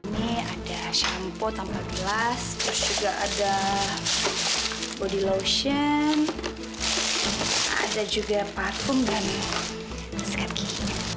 ini ada shampoo tanpa gelas terus juga ada body lotion ada juga parfum dan meskipun